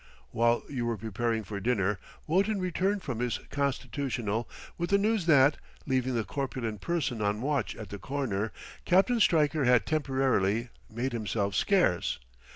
While you were preparing for dinner, Wotton returned from his constitutional with the news that, leaving the corpulent person on watch at the corner, Captain Stryker had temporarily, made himself scarce.